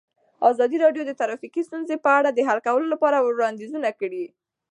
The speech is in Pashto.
ازادي راډیو د ټرافیکي ستونزې په اړه د حل کولو لپاره وړاندیزونه کړي.